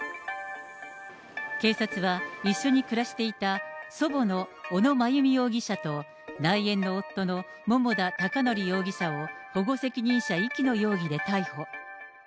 警察は、一緒に暮らしていた祖母の小野真由美容疑者と内縁の夫の桃田貴徳容疑者を保護責任者遺棄の容疑で逮捕。